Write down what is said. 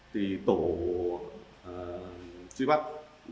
tổ truy vết